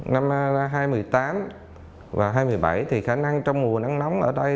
năm hai nghìn một mươi tám và hai nghìn một mươi bảy thì khả năng trong mùa này